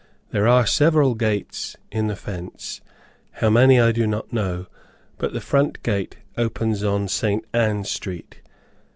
There are several gates in the fence, how many I do not know, but the front gate opens on St. Ann Street.